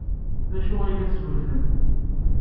D acu ay la d-tessewjademt?